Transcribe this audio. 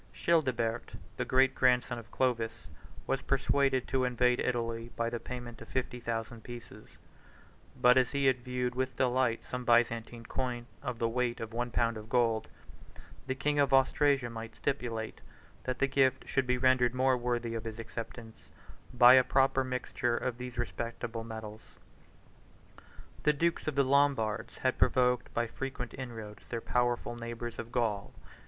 Childebert, the great grandson of Clovis, was persuaded to invade Italy by the payment of fifty thousand pieces; but, as he had viewed with delight some Byzantine coin of the weight of one pound of gold, the king of Austrasia might stipulate, that the gift should be rendered more worthy of his acceptance, by a proper mixture of these respectable medals. The dukes of the Lombards had provoked by frequent inroads their powerful neighbors of Gaul.